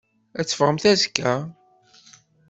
Ad teffɣemt azekka?